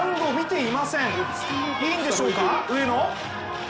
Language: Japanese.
いいんでしょうか、上野？